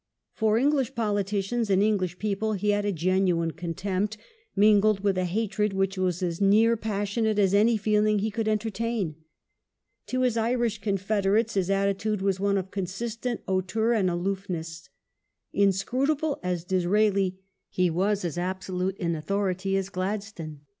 For English politicians and English people he had a genuine contempt, mingled with a hatred which was as near passionate as any feeling he could entertain. To his Irish confederates his attitude was one of consistent hauteur and aloofness. Inscrutable as Disraeli, he was as absolute in authority as Gladstone.